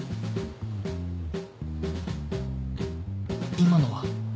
今のは？